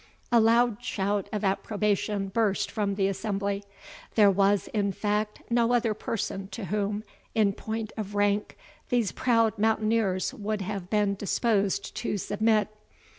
A loud shout of approbation burst from the assembly. There was, in fact, no other person to whom, in point of rank, these proud mountaineers would have been disposed to submit.